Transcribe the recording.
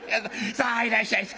さあいらっしゃい！